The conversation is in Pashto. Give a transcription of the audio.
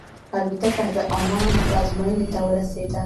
الوتکه د عمان پلازمینې ته ورسېده.